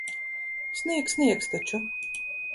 Snieg sniegs taču.